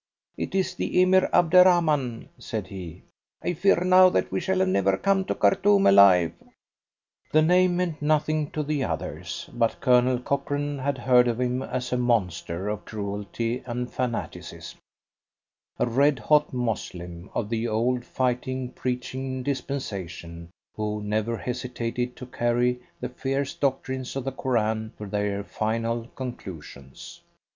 "It is the Emir Abderrahman," said he. "I fear now that we shall never come to Khartoum alive." The name meant nothing to the others, but Colonel Cochrane had heard of him as a monster of cruelty and fanaticism, a red hot Moslem of the old fighting, preaching dispensation, who never hesitated to carry the fierce doctrines of the Koran to their final conclusions.